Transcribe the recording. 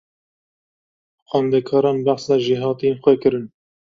Xwendekaran behsa jêhatiyên xwe kirin.